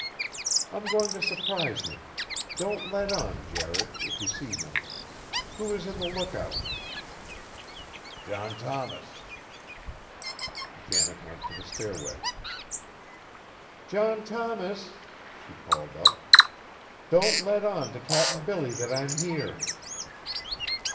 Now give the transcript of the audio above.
"I'm going to surprise him. Don't let on, Jared, if you see him. Who is in the lookout?" "John Thomas." Janet went to the stairway. "John Thomas!" she called up, "don't let on to Cap'n Billy that I'm here."